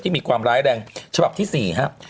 มีความร้ายแรงฉบับที่๔ครับ